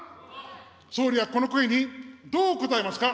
総理はこの声にどう応えますか。